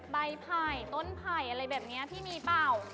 ไผ่ต้นไผ่อะไรแบบนี้พี่มีเปล่า